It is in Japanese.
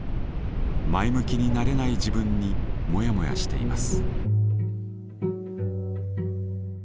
前向きになれない自分にモヤモヤしています。